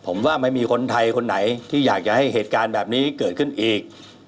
ผมว่าไม่มีคนไทยคนไหนที่อยากจะให้เหตุการณ์แบบนี้เกิดขึ้นอีก